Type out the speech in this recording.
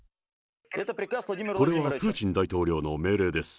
これはプーチン大統領の命令です。